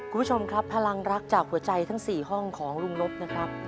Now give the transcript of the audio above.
คุณผู้ชมครับพลังรักจากหัวใจทั้ง๔ห้องของลุงนบนะครับ